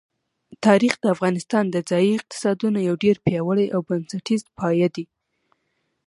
تاریخ د افغانستان د ځایي اقتصادونو یو ډېر پیاوړی او بنسټیز پایایه دی.